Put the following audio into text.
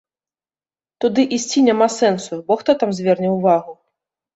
Туды ісці няма сэнсу, бо хто там зверне ўвагу?